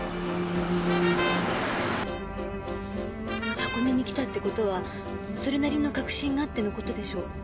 箱根に来たって事はそれなりの確信があっての事でしょ？